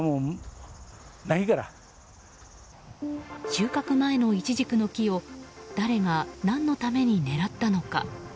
収穫前のイチジクの木を誰が何のために狙ったのか。